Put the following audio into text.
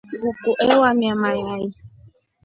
Nguku ewamia mayai.